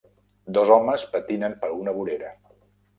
Dos homes patinen per una vorera.